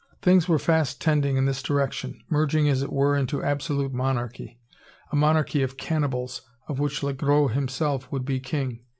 Things were fast tending in this direction, merging, as it were, into absolute monarchy, a monarchy of "cannibals," of which Le Gros himself would be "king."